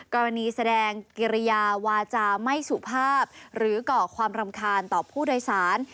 กรณีแสดงกิริยาวาจาไม่สุภาพหรือก่อความรำคาญต่อผู้โดยสาร